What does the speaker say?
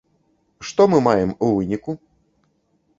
Што мы маем у выніку?